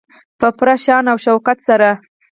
په پوره شان او شوکت سره.